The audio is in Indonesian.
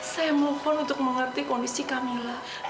saya mohon untuk mengerti kondisi camillah